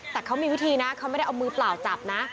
แต่เขามีวิธีนะเขาไม่ได้เอามือเปล่าจับนะ